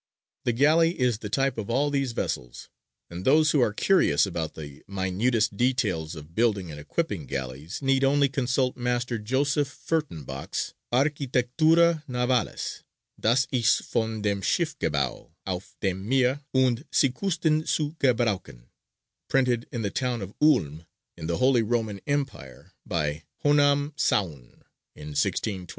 _)] The galley is the type of all these vessels, and those who are curious about the minutest details of building and equipping galleys need only consult Master Joseph Furttenbach's Architectura Navalis: Das ist, Von dem Schiff Gebaw, auf dem Meer und Seekusten zu gebrauchen, printed in the town of Ulm, in the Holy Roman Empire, by Jonam Saurn, in 1629.